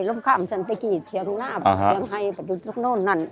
ล้มข้ามสันติกิจเถียงหน้าเถียงไฮแบบทุกโน่นนั้น